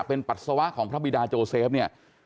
เป็นปัสสาวะของพระบิดาโจเซฟเนี่ย